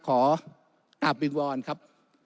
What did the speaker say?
กราบบิงวอนครับ